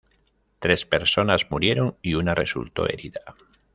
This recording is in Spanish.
Tres personas murieron y una resultó herida.